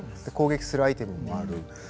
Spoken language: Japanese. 攻撃するアイテムもある。